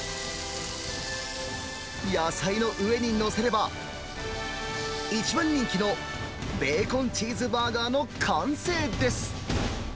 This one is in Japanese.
野菜の上に載せれば、一番人気のベーコンチーズバーガーの完成です。